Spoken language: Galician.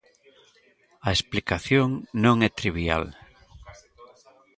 A explicación non é trivial.